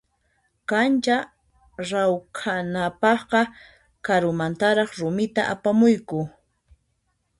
Kancha rawkhanapaqqa karumantaraq rumita apamuyku.